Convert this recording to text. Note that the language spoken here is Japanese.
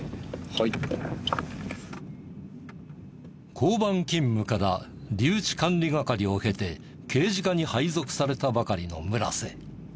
交番勤務から留置管理係を経て刑事課に配属されたばかりの村瀬。